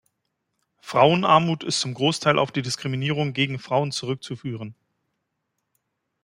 Frauenarmut ist zum Großteil auf die Diskriminierung gegen Frauen zurückzuführen.